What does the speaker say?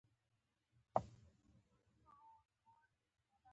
د شیانو په اړه خبرې کول